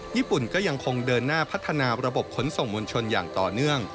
ญี่ปุ่นก็ยังคงเดินหน้าพัฒนาระบบขนส่งมวลชนอย่างต่อเนื่อง